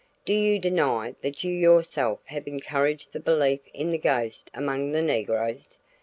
Do you deny that you yourself have encouraged the belief in the ghost among the negroes?